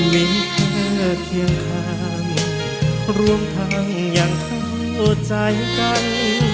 วินเทอดเคียงคามรวมทางอย่างเข้าใจกัน